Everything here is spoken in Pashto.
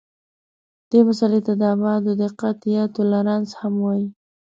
دې مسئلې ته د ابعادو دقت یا تولرانس هم وایي.